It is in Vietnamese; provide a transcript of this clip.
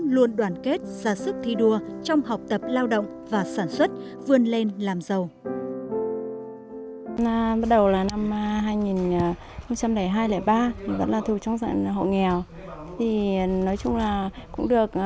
luôn đoàn kết ra sức thi đua trong học tập lao động và sản xuất vươn lên làm giàu